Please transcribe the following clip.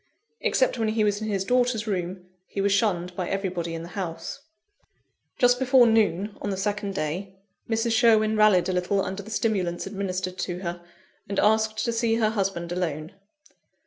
Except when he was in his daughter's room, he was shunned by everybody in the house. Just before noon, on the second day, Mrs. Sherwin rallied a little under the stimulants administered to her, and asked to see her husband alone.